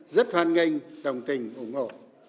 rất hoan nghênh đồng tình ủng hộ